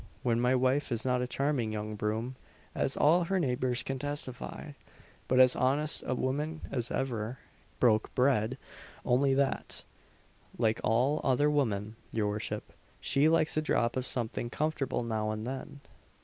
when my wife is not a charming young broom as all her neighbours can testify, but as honest a woman as ever broke bread only that, like all other women, your worship, she likes a drop of something comfortable now and then."